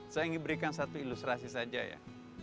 saya ingin berikan satu ilustrasi saja ya